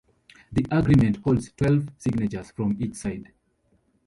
The agreement holds twelve signatures from each side.